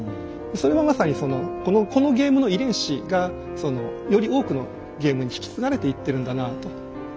それはまさにそのこのゲームの遺伝子がそのより多くのゲームに引き継がれていってるんだなぁと。